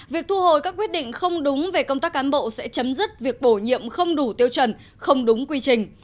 việc thu hồi các quyết định không đúng về công tác cán bộ sẽ chấm dứt việc bổ nhiệm không đủ tiêu chuẩn không đúng quy trình